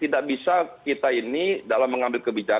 tidak bisa kita ini dalam mengambil kebijakan